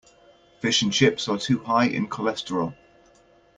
Fish and chips are too high in cholesterol.